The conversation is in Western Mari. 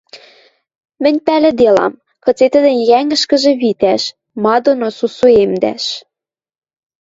Мӹнь пӓлӹделам, кыце тӹдӹн йӓнгӹшкӹжӹ витӓш, ма доно сусуэмдӓш.